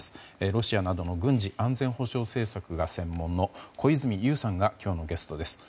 ロシアなどの軍事・安全保障政策が専門の小泉悠さんが今日のゲストです。